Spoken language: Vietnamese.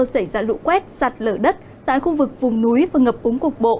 xảy ra lũ quét sạt lở đất tại khu vực vùng núi và ngập úng cục bộ